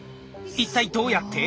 一体どうやって？